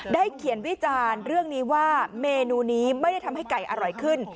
เขียนวิจารณ์เรื่องนี้ว่าเมนูนี้ไม่ได้ทำให้ไก่อร่อยขึ้น